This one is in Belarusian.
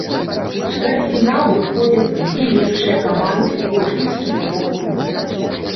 У чвэрцьфінал выходзяць дзве лепшыя каманды кожнай з чатырох груп.